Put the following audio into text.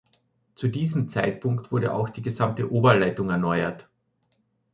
Zu diesem Zeitpunkt wurde auch die gesamte Oberleitung erneuert.